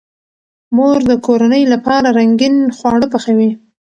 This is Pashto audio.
مور د کورنۍ لپاره رنګین خواړه پخوي.